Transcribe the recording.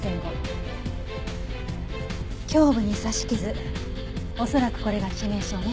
胸部に刺し傷恐らくこれが致命傷ね。